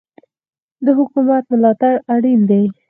د حکومت ملاتړ اړین دی.